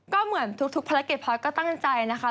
ก็เหมือนทุกภารกิจพอร์ตก็ตั้งใจนะคะ